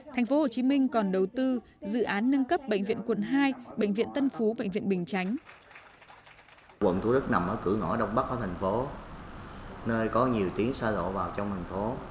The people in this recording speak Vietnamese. thành phố hồ chí minh còn đầu tư dự án nâng cấp bệnh viện quận hai bệnh viện tân phú bệnh viện bình chánh